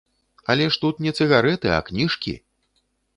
Але ж тут не цыгарэты, а кніжкі!